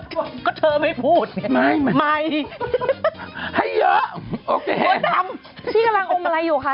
บอกก็เธอไม่พูดไงไม่ใหม่ให้เยอะโอเคดำพี่กำลังอมอะไรอยู่คะ